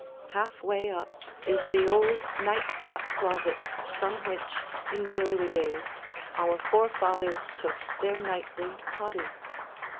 Half way up is the old nightcap closet from which, in the early days, our forefathers took their nightly toddy.